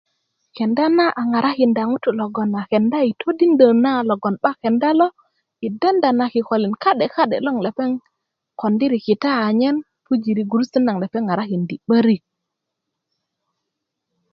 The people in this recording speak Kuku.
kenda na a ŋarakinda ŋutú logoŋ a kenda i todinda na logoŋ 'ba kenda lo i denda na kikolin kadekade loŋ lepeŋ kondiri kita a nyen pujiri gurusuta naŋ lepeŋ ŋarakindi 'barik